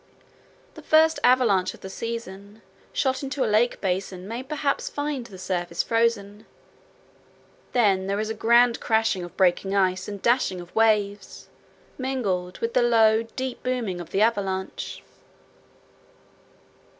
The first avalanche of the season shot into a lake basin may perhaps find the surface frozen. Then there is a grand crashing of breaking ice and dashing of waves mingled with the low, deep booming of the avalanche.